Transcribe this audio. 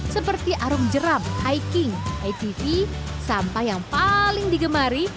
seperti arung jeram hiking atv sampah yang paling digemari